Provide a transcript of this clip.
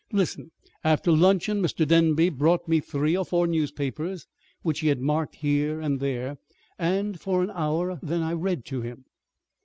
Listen! After luncheon Mr. Denby brought me three or four newspapers which he had marked here and there; and for an hour then I read to him.